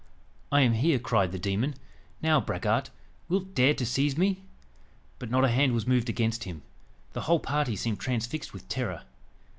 "I am here!" cried the demon. "Now, braggart, wilt dare to seize me?" But not a hand was moved against him. The whole party seemed transfixed with terror.